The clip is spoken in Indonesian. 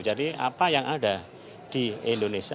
jadi apa yang ada di indonesia